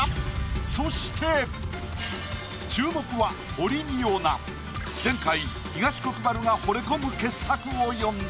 そして注目は前回東国原が惚れ込む傑作を詠んだ。